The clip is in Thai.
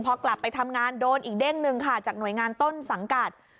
พอกลับไปทำงานโดนอีกเด้งหนึ่งค่ะจากหน่วยงานต้นสังกัด